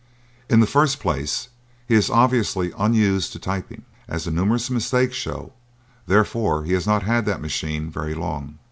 In the first place he is obviously unused to typing, as the numerous mistakes show; therefore he has not had the machine very long.